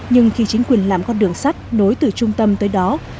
nhưng khi chính quyền làm con đường sắt nối từ trung tâm tới đó